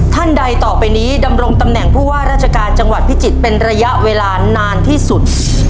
ท่านใดต่อไปนี้ดำรงตำแหน่งผู้ว่าราชการจังหวัดพิจิตรเป็นระยะเวลานานที่สุด